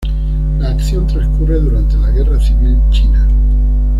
La acción transcurre durante la Guerra Civil China.